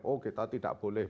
oh kita tidak boleh